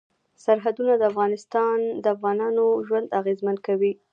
سرحدونه د افغانانو ژوند اغېزمن کوي.